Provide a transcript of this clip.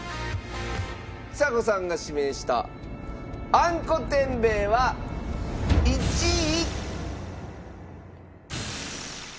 ちさ子さんが指名したあんこ天米は１位。